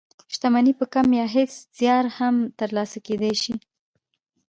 شتمني په کم يا هېڅ زيار هم تر لاسه کېدلای شي.